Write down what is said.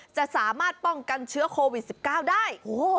จะสามารถป้องกันเชื้อโควิด๑๙ได้